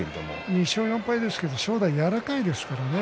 ２勝４敗ですが正代は柔らかいですからね